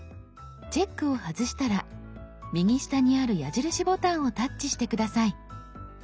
チェックを外したら右下にある矢印ボタンをタッチして下さい。